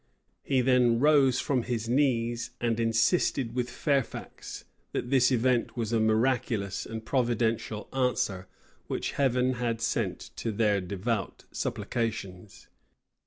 He then rose from his knees, and insisted with Fairfax, that this event was a miraculous and providential answer which Heaven had sent to their devout supplications.